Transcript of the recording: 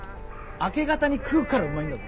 明け方に食うからうまいんだぞ。